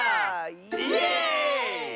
イエーイ！